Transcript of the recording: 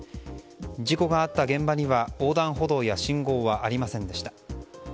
事故があった現場には横断歩道や信号はありませんでした。